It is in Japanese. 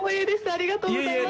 ありがとうございます。